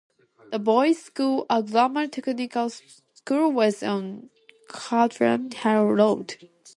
The boys school, a grammar-technical school was on "Chadderton Hall Road".